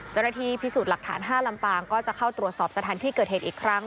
เจ้าหน้าที่พิสูจน์หลักฐาน๕ลำปางก็จะเข้าตรวจสอบสถานที่เกิดเหตุอีกครั้ง